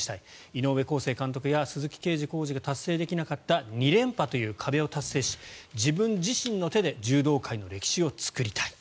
井上康生監督や鈴木桂治コーチが達成できなかった２連覇という壁を達成し自分自身の手で柔道界の歴史を作りたい。